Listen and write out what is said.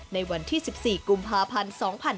ในวันที่๑๔กุมภาพันธ์๒๕๕๙